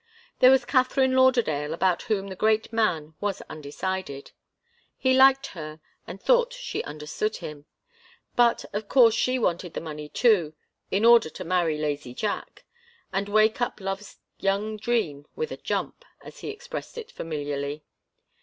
There was Katharine Lauderdale, about whom the great man was undecided. He liked her and thought she understood him. But of course she wanted the money too in order to marry lazy Jack and wake up love's young dream with a jump, as he expressed it familiarly.